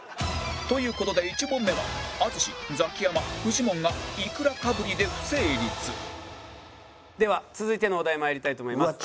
という事で１問目は淳ザキヤマフジモンがイクラかぶりで不成立では続いてのお題まいりたいと思います。